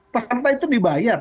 peserta itu dibayar